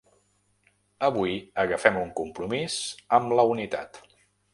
Avui agafem un compromís amb la unitat.